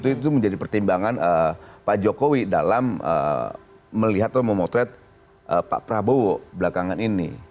itu menjadi pertimbangan pak jokowi dalam melihat atau memotret pak prabowo belakangan ini